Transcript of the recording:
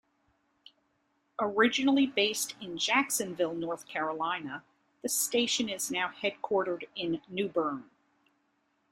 Originally based in Jacksonville, North Carolina, the station is now headquartered in New Bern.